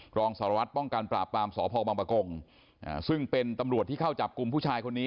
รองสารวัตรป้องกันปราบปรามสพบังปะกงซึ่งเป็นตำรวจที่เข้าจับกลุ่มผู้ชายคนนี้